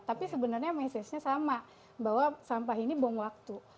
tapi sebenarnya message nya sama bahwa sampah ini buang waktu